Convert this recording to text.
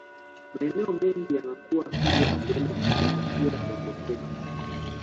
maeneo mengi yanakuwa hivyo shule zinatakiwa kuongezeka